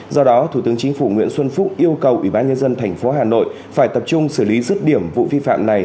do đó thủ tướng chính phủ nguyễn xuân phúc yêu cầu ủy ban nhân dân thành phố hà nội phải tập trung xử lý rứt điểm vụ vi phạm